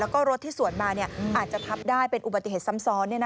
แล้วก็รถที่สวนมาอาจจะทับได้เป็นอุบัติเหตุซ้ำซ้อน